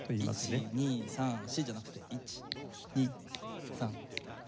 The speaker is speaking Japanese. １２３４じゃなくて１２３４。